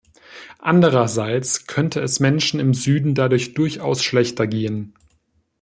Andererseits könnte es Menschen im Süden dadurch durchaus schlechter gehen.